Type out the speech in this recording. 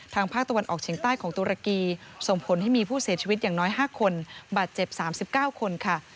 ภาคตะวันออกเฉียงใต้ของตุรกีส่งผลให้มีผู้เสียชีวิตอย่างน้อย๕คนบาดเจ็บ๓๙คนค่ะ